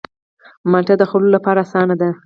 مالټه د خوړلو لپاره آسانه ده.